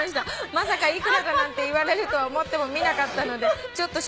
「まさか幾らだなんて言われるとは思ってもみなかったのでちょっとショックでした」